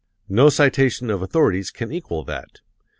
No citation of authorities can equal that.